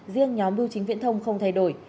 riêng nhóm bưu chính viễn thông không thay đổi